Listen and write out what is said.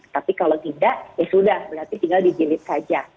tapi kalau tidak ya sudah berarti tinggal dijilid saja